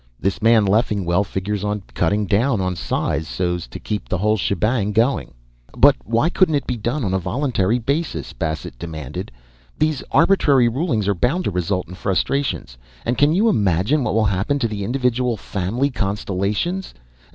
This man Leffingwell figures on cutting down on size so's to keep the whole shebang going." "But why couldn't it be done on a voluntary basis?" Bassett demanded. "These arbitrary rulings are bound to result in frustrations. And can you imagine what will happen to the individual family constellations?